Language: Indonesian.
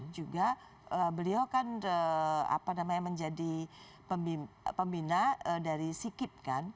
juga beliau kan menjadi pembina dari sikip kan